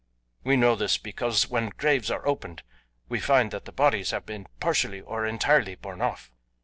We know this because when graves are opened we find that the bodies have been partially or entirely borne off.